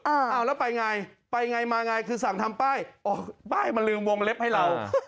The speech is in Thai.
อ้าวแล้วไปไงไปไงมาไงคือสั่งทำป้ายอ๋อป้ายมาลืมวงเล็บให้เรา